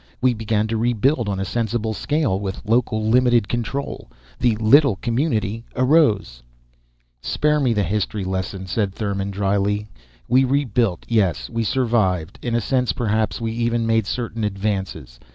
We began to rebuild on a sensible scale, with local, limited control. The little community arose " "Spare me the history lesson," said Thurmon, dryly. "We rebuilt, yes. We survived. In a sense, perhaps, we even made certain advances.